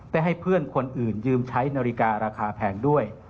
ให้เพื่อนคนอื่นยืมใช้นาฬิการาคาแพงด้วย